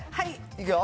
いくよ。